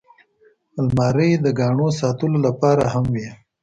الماري د ګاڼو ساتلو لپاره هم وي